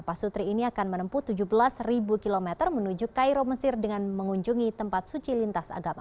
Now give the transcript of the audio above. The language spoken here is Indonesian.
pasutri ini akan menempuh tujuh belas km menuju cairo mesir dengan mengunjungi tempat suci lintas agama